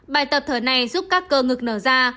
bài tập thở này giúp các cơ ngực nở ra